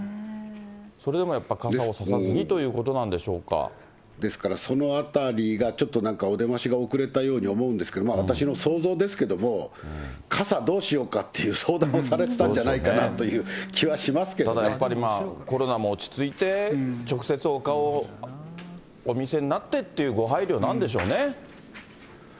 それでもやっぱり傘を差さずにとですからその辺りがちょっとなんか、お出ましが遅れたように思うんですが、私の想像ですけれども、傘どうしようかっていう相談をされてたんじゃないかなという気はただやっぱりコロナも落ち着いて、直接お顔をお見せになってというご配慮なんでしょうね。